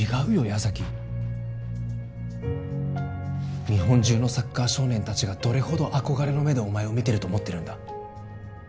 矢崎日本中のサッカー少年達がどれほど憧れの目でお前を見てると思ってるんだ